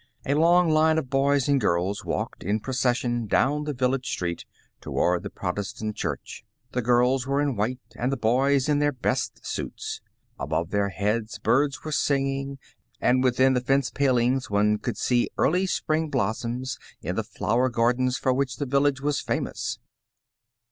A long line of boys and girls walked in pro cession down the village street toward the Protes tant Church. The girls were in white, and the boys in their best suits. Above their heads, birds were sing ing, and within the fence palings one could see early spring blossoms, in the flower gardens for which the village was famous.